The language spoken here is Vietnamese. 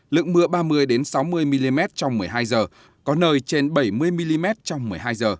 lượng mưa ba mươi sáu mươi mm trong một mươi hai h có nơi trên bảy mươi mm trong một mươi hai h